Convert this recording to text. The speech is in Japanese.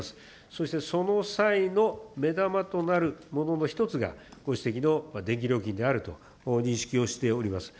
そしてその際の目玉となるものの１つが、ご指摘の電気料金であると認識をしております。